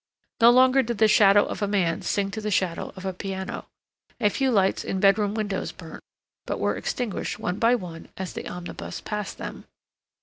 No longer did the shadow of a man sing to the shadow of a piano. A few lights in bedroom windows burnt but were extinguished one by one as the omnibus passed them.